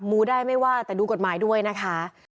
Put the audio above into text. ูได้ไม่ว่าแต่ดูกฎหมายด้วยนะคะ